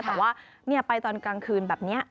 แต่ว่าไปตอนกลางคืนแบบนี้